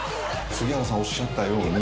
杉原さんおっしゃったように。